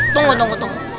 tunggu tunggu tunggu